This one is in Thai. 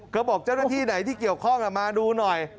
ก็บอกเจ้าหน้าที่ไหนที่เกี่ยวข้องมาดูหน่อย